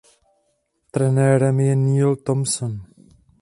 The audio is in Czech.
Trenérem je Neil Thompson.